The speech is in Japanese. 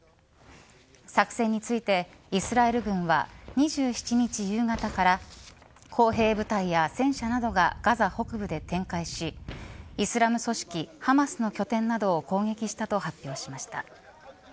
作戦についてイスラエル軍は２７日夕方から工兵部隊や戦車などがガザ北部で展開しイスラム組織ハマスの拠点などを攻撃したと発表しました。